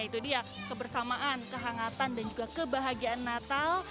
itu dia kebersamaan kehangatan dan juga kebahagiaan natal